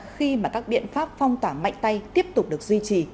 khi mà các biện pháp phong tỏa mạnh tay tiếp tục được duy trì